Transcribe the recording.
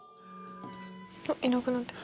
あっいなくなってる。